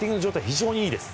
非常にいいです。